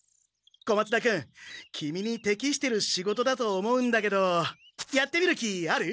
小松田君君にてきしてる仕事だと思うんだけどやってみる気ある？